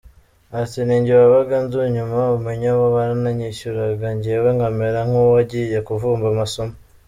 Ati “ Ninjye wabaga ndi inyuma, umenya bo baranishyuraga, njyewe nkamera nk’uwagiye kuvumba amasomo.